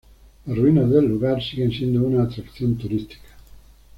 Las ruinas del lugar siguen siendo una atracción turística.